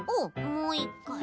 もういっかい？